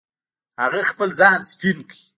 هغه خپل ځان سپین کړ.